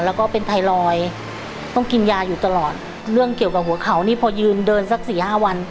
แล้วก็เป็นไทรอยด์ต้องกินยาอยู่ตลอดเรื่องเกี่ยวกับหัวเขานี่พอยืนเดินสักสี่ห้าวัน